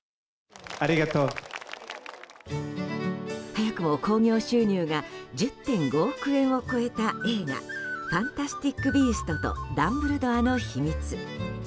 早くも興行収入が１０．５億円を超えた映画「ファンタスティック・ビーストとダンブルドアの秘密」。